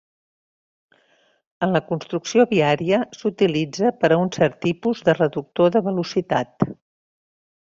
En la construcció viària, s'utilitza per a un cert tipus de reductor de velocitat.